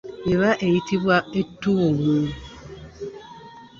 Eba eyitibwa ettuumu.